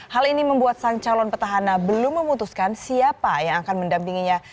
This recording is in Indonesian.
hal ini membuat sang calon petahana belum memutuskan siapa yang akan mendampinginya